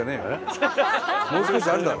もう少しあるだろ！